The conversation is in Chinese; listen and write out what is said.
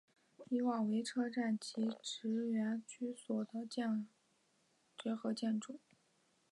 以往为车站及职员居所的结合建筑。